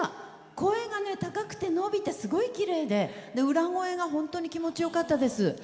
声が高くて伸びてすごいきれいで、裏声が本当に気持ちよかったです。